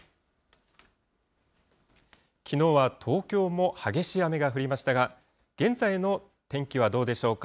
きのうは東京も激しい雨が降りましたが、現在の天気はどうでしょうか。